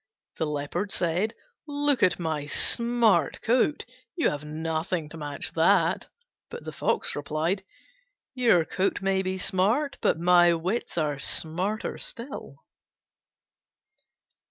The Leopard said, "Look at my smart coat; you have nothing to match that." But the Fox replied, "Your coat may be smart, but my wits are smarter still."